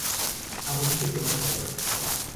Aborigen de Barcelona.